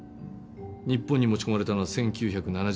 日本に持ち込まれたのは１９７７年。